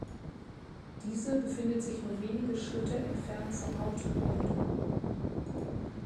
Diese befindet sich nur wenige Schritte entfernt vom Hauptgebäude.